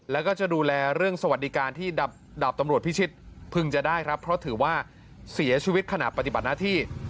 แล้วก็จะดูแลเรื่องสวัสดิการที่ดาบตำรวจพิชิตพึงจะได้ครับเพราะถือว่าเสียชีวิตขณะปฏิบัติหน้าที่